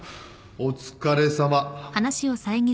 ・お疲れさま